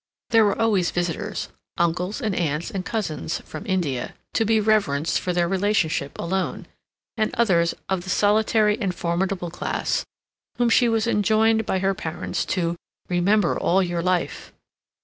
There were always visitors—uncles and aunts and cousins "from India," to be reverenced for their relationship alone, and others of the solitary and formidable class, whom she was enjoined by her parents to "remember all your life."